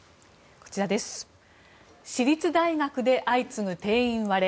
私立大学で相次ぐ定員割れ。